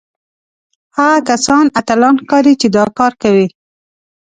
هغه کسان اتلان ښکارېږي چې دا کار کوي